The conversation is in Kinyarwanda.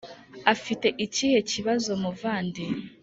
afite ikihe kibazo muvandi